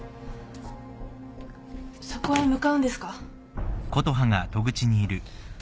・そこへ向かうんですか？